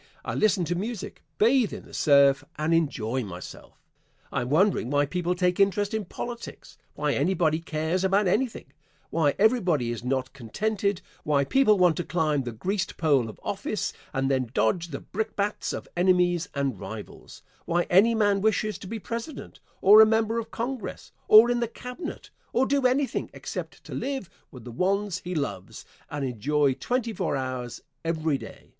I listen to music, bathe in the surf and enjoy myself. I am wondering why people take interest in politics; why anybody cares about anything; why everybody is not contented; why people want to climb the greased pole of office and then dodge the brickbats of enemies and rivals; why any man wishes to be President, or a member of Congress, or in the Cabinet, or do anything except to live with the ones he loves, and enjoy twenty four hours every day.